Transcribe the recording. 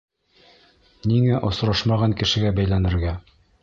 Ниңә осрашмаған кешегә бәйләнергә?